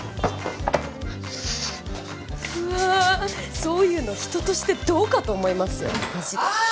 うわそういうの人としてどうかと思いますよああ